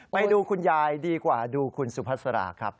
ไปดูคุณยายดีกว่าดูคุณสุภาษาราครับ